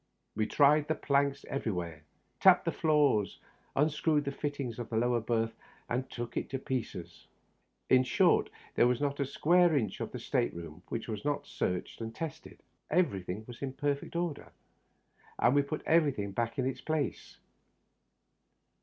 We tried the planks everywhere, tapped the floor ing, unscrewed the fittings of the lower berth and took it to pieces — in short, there was not a square inch of the state room which was not searched and tested. Every thing was in perfect order, and we put everything back in its place.